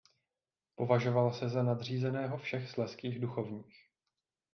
Považoval se za nadřízeného všech slezských duchovních.